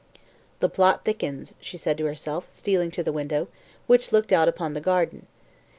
"The plot thickens," she said to herself, stealing to the window, which looked out upon the garden.